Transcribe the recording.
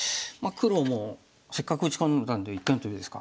黒もせっかく打ち込んだんで一間トビですか。